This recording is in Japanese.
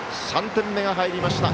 ３点目が入りました。